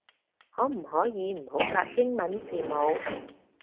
可唔可以唔好夾英文字母